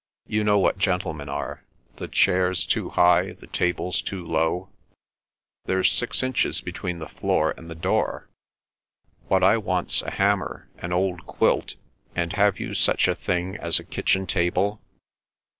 "You know what gentlemen are. The chairs too high—the tables too low—there's six inches between the floor and the door. What I want's a hammer, an old quilt, and have you such a thing as a kitchen table?